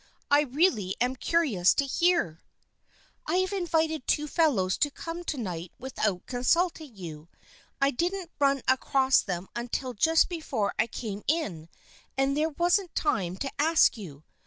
" I really am curious to hear." " I have invited two fellows to come to night without consulting you. I didn't run across them until just before I came in and there wasn't time to ask you.